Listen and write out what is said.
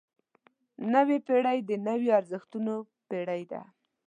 نوې پېړۍ د نویو ارزښتونو پېړۍ ده.